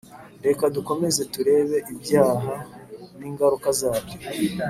reka dukomeze tureba ibyaha ningaruka zabyo